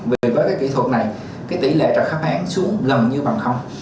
vì với cái kỹ thuật này cái tỷ lệ trật khớp háng xuống gần như bằng không